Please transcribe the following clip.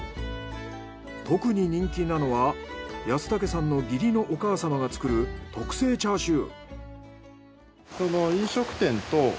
特に人気なのは安武さんの義理のお母様が作る特製チャーシュー。